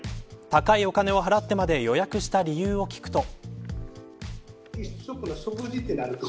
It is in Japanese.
高いお金を払ってまで予約した理由を聞くと。